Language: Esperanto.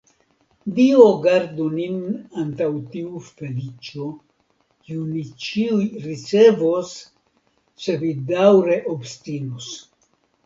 Dio gardu nin antaŭ tiu feliĉo, kiun ni ĉiuj ricevos, se vi daŭre obstinos.